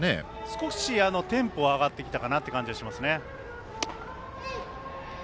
少しテンポが上がってきたかなっていう感じがしますね。